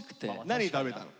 何食べたの？